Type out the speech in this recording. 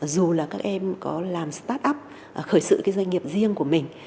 dù là các em có làm start up khởi sự cái doanh nghiệp riêng của mình